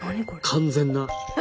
完全な。